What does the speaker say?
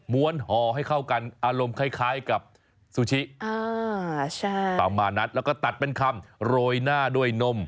ห่อให้เข้ากันอารมณ์คล้ายกับซูชิประมาณนั้นแล้วก็ตัดเป็นคำโรยหน้าด้วยนม